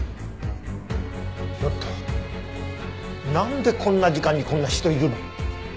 ちょっとなんでこんな時間にこんな人いるの？